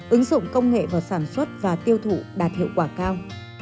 ứng dụng công nghệ vào sản xuất và tiêu thụ đạt hiệu quả cao